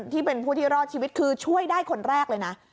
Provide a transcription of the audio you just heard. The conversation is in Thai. ที่เป็นผู้ที่รอดชีวิตคือช่วยได้คนแรกเลยนะ